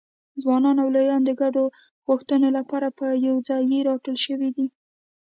ځوانان او لویان د ګډو غوښتنو لپاره په یوځایي راټول شوي دي.